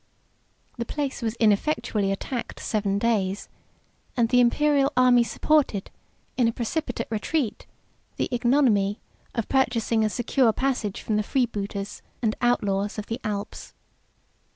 The place was ineffectually attacked seven days; and the Imperial army supported, in a precipitate retreat, the ignominy of purchasing a secure passage from the freebooters and outlaws of the Alps.